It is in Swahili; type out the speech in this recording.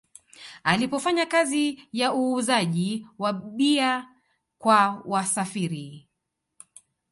Alipofanya kazi ya uuzaji wa bia kwa wasafiri